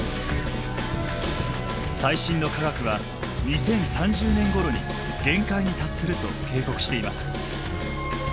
最新の科学は２０３０年ごろに限界に達すると警告しています。